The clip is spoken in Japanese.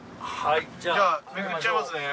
じゃあめくっちゃいますね。